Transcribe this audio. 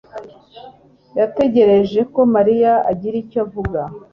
yategereje ko Mariya agira icyo avuga.